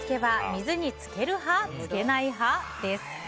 水につける派つけない派？です。